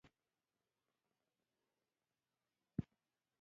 کلتور د افغانستان د جغرافیایي موقیعت یوه لویه او څرګنده پایله ده.